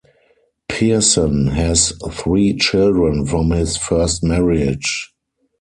Pearson has three children from his first marriage.